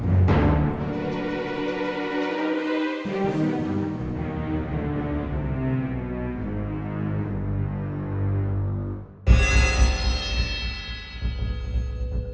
iya dan kan gue aklah